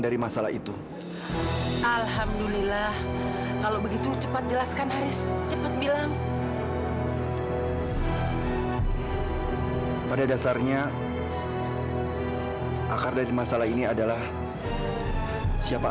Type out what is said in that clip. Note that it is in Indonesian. ami semua ke sini